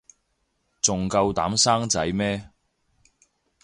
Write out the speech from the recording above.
仲夠膽生仔咩